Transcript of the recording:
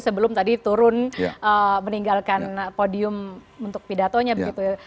sebelum tadi turun meninggalkan podium untuk pidatonya begitu ya